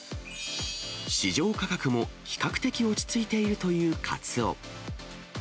市場価格も比較的落ち着いているというカツオ。